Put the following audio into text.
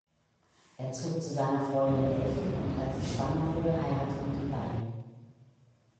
Er zog zu seiner Freundin Elfi, und als sie schwanger wurde, heirateten die beiden.